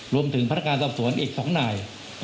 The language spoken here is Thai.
รวมถึงพนักงานสอบสวนอีก๒นาย